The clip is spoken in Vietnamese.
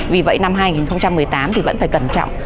vì vậy năm hai nghìn một mươi tám thì vẫn phải cẩn trọng